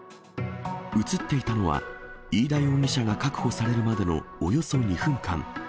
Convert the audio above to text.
写っていたのは、飯田容疑者が確保されるまでのおよそ２分間。